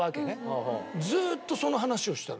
ずっとその話をしてたの。